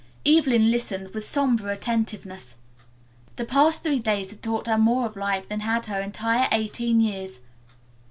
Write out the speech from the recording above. Evelyn listened with somber attentiveness. The past three days had taught her more of life than had her entire eighteen years.